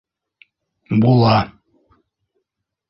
Була.